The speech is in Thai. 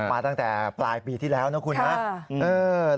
มาตั้งแต่ปลายปีที่แล้วนะคุณนะ